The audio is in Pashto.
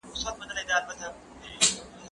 که وخت وي، انځور ګورم؟